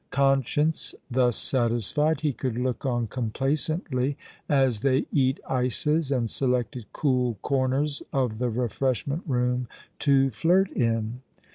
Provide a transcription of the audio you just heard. Conscience thus satisfied, he could look on complacently as they eat ices, and selected cool corners of the refreshment room to flirt in.